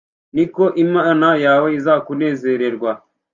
ni ko Imana yawe izakunezererwa